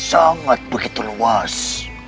sangat begitu luas